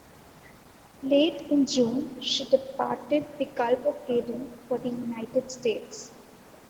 Late in June she departed the Gulf of Aden for the United States.